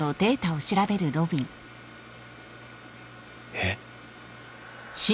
えっ？